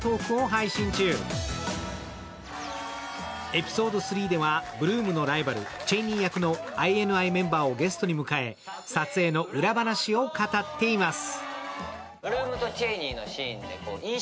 エピソード３では、８ＬＯＯＭのライバル、ＣＨＡＹＮＥＹ役のＩＮＩメンバーをゲストに迎え撮影の裏話を語っています。